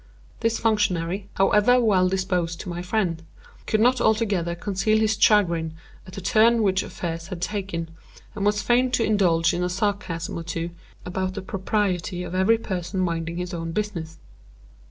This functionary, however well disposed to my friend, could not altogether conceal his chagrin at the turn which affairs had taken, and was fain to indulge in a sarcasm or two, about the propriety of every person minding his own business.